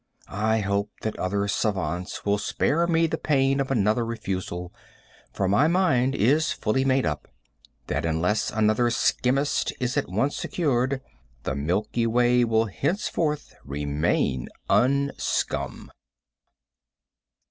I hope that other savants will spare me the pain of another refusal, for my mind is fully made up that unless another skimmist is at once secured, the milky way will henceforth remain unskum.